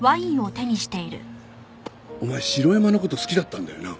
お前城山の事好きだったんだよな？